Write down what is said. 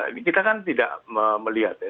ini kita kan tidak melihat ya